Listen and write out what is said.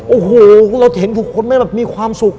โอ้โหเราเห็นบุคคลแม่แบบมีความสุข